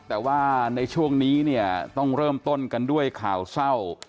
แต่ว่าในช่วงนี้เนี่ยต้องเริ่มต้นกันด้วยข่าวเศร้า